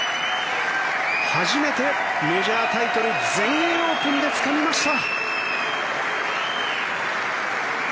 初めて、メジャータイトル全英オープンでつかみました。